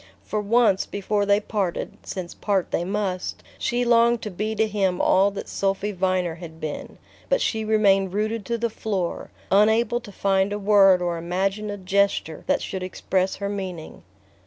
For once before they parted since part they must she longed to be to him all that Sophy Viner had been; but she remained rooted to the floor, unable to find a word or imagine a gesture that should express her meaning.